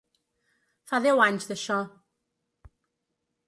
Fa deu anys d’això.